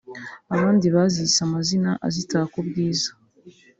abandi bazise amazina azitaka ubwiza